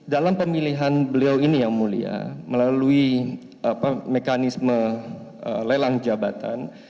dalam pemilihan beliau ini yang mulia melalui mekanisme lelang jabatan